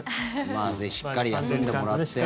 しっかり休んでもらって。